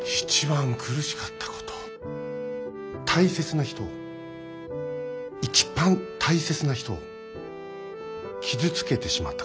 大切な人を一番大切な人を傷つけてしまったこと。